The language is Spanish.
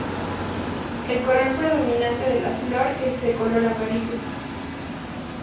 El color predominante de la flor es de color amarillo.